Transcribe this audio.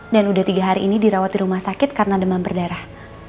dan udah tiga hari ini dirawat di rumah sakit karena demam berdarah